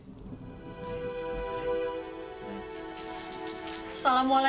kamu kabaikan kebenaran